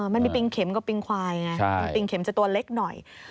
มันมีปิงเข็มกับปิงควายไงปิงเข็มจะตัวเล็กหน่อย